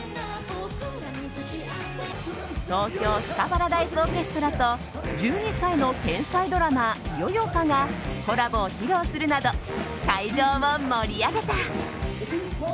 東京スカパラダイスオーケストラと１２歳の天才ドラマーＹＯＹＯＫＡがコラボを披露するなど会場を盛り上げた。